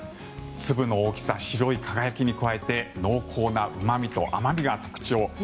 粒の大きさ、白い輝きに加えて濃厚なうま味と甘味が特徴。